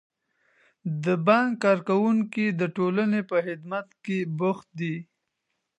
د بانک کارکوونکي د ټولنې په خدمت کې بوخت دي.